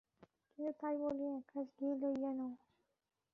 কিন্তু তাই বলিয়া একরাশ ঘি লইয়ো না।